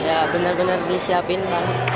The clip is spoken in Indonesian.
ya benar benar disiapin bang